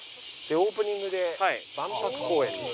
オープニングで万博公園に。